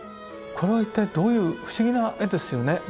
これは一体どういう不思議な絵ですよね。